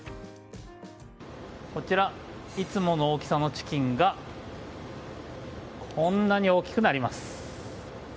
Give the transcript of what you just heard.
こちら、いつもの大きさのチキンがこんなに大きくなります。